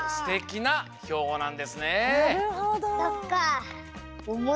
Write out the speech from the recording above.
なるほど。